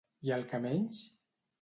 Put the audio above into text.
I el que menys?